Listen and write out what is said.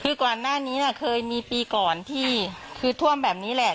คือก่อนหน้านี้เคยมีปีก่อนที่คือท่วมแบบนี้แหละ